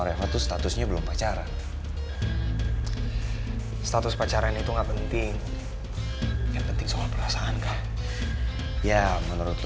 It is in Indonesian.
refah statusnya belum pacaran status pacaran itu gak penting penting soal perasaan ya menurut